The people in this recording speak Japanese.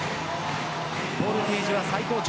ボルテージは最高潮